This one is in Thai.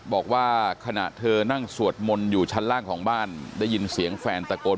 บอกว่าขณะเธอนั่งสวดมนต์อยู่ชั้นล่างของบ้านได้ยินเสียงแฟนตะโกน